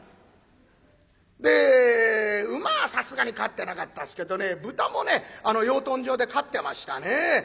で馬はさすがに飼ってなかったっすけどね豚もねあの養豚場で飼ってましたね。